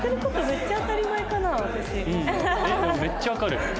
めっちゃわかる？